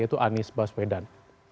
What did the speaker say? yaitu anies baswedan